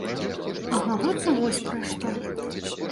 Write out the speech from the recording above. А гаворка вось пра што.